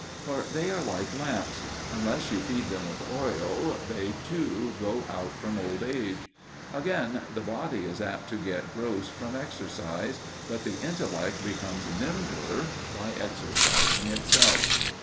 For they are like lamps: unless you feed them with oil, they too go out from old age. Again, the body is apt to get gross from exercise; but the intellect becomes nimbler by exercising itself.